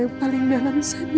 ternyata harus dimaklumkan samaania